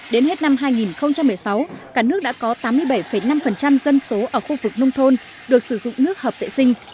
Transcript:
đến hết năm hai nghìn một mươi sáu cả nước đã có tám mươi bảy năm dân số ở khu vực nông thôn được sử dụng nước hợp vệ sinh